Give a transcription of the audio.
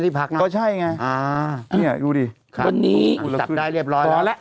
ที่พักงานก็ใช่ไงอ่านี่ดูดิครับวันนี้สักได้เรียบร้อยพอและ